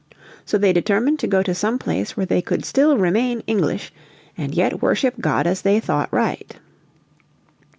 So they determined to go to some place where they could still remain English, and yet worship God as they thought right.